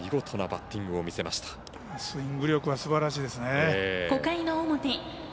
スイングの力がすばらしいですね。